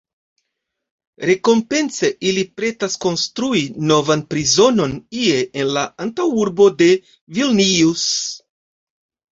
Rekompence ili pretas konstrui novan prizonon ie en la antaŭurbo de Vilnius.